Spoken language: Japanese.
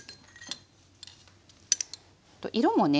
色もね